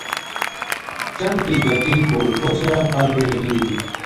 چنڈ کی گٹی کول پوہچیا پل بے لگی وی تھی